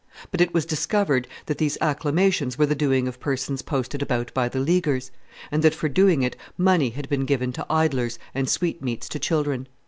But it was discovered that these acclamations were the doing of persons posted about by the Leaguers, and that, for doing it, money had been given to idlers and sweetmeats to children."